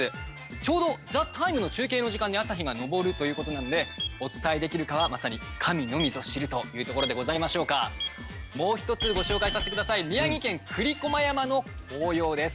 ちょうど「ＴＨＥＴＩＭＥ，」の中継の時間に朝日が昇るということなんでお伝えできるかはまさに神のみぞ知るというところでございましょうかもう一つご紹介させてください宮城県栗駒山の紅葉です